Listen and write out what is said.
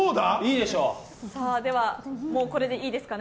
では、これでいいですかね。